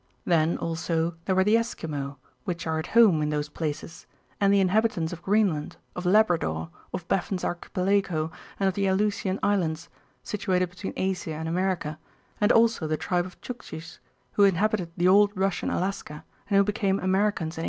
Then, also, there were the Esquimaux, which are at home in those places, and the inhabitants of Greenland, of Labrador, of Baffin's Archipelago and of the Aleutian Islands, situated between Asia and America, and also the tribe of Tchouktchis, who inhabited the old Russian Alaska and who became Americans in 1867.